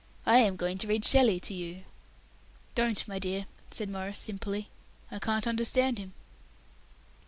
I am going to read Shelley to you." "Don't, my dear," said Maurice simply. "I can't understand him."